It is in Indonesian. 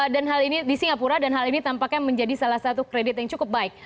dan hal ini di singapura dan hal ini tampaknya menjadi salah satu kredit yang cukup baik